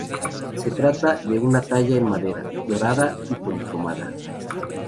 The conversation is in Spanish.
Se trata de una talla en madera, dorada y policromada.